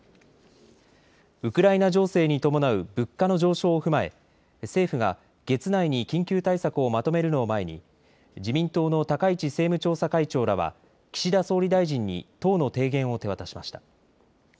ウクライナ情勢に伴う物価の上昇を踏まえ政府が月内に緊急対策をまとめるのを前に自民党の高市政務調査会長らは岸田総理大臣に党の提言を手渡しました。